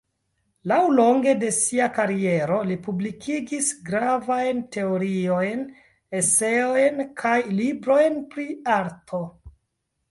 Laŭlonge de sia kariero li publikigis gravajn teoriajn eseojn kaj librojn pri arto.